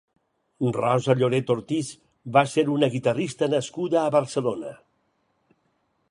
Rosa Lloret Ortiz va ser una guitarrista nascuda a Barcelona.